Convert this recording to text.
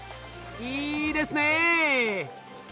いいですね。